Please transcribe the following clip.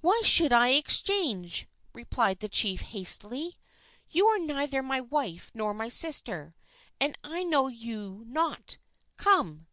"Why should I exchange?" replied the chief, hastily. "You are neither my wife nor my sister, and I know you not. Come!"